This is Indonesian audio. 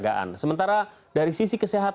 dan kebetulan dadan tidak akan menangkap